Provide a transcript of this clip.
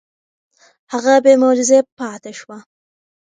هغه بې معجزې پاتې شوه.